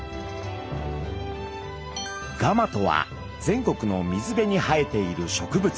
蒲とは全国の水辺に生えている植物。